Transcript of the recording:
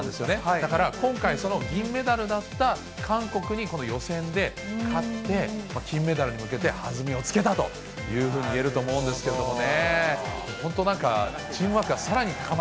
だから、今回、その銀メダルだった韓国にこの予選で勝って、金メダルに向けて、弾みをつけたというふうに言えると思うんですけどもね。